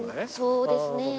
そうですね。